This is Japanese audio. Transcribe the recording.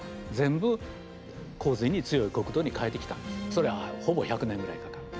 それはほぼ１００年ぐらいかかった。